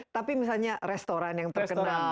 tapi misalnya restoran yang terkenal